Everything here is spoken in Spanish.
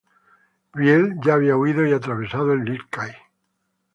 Viel ya había huido y atravesado el Lircay.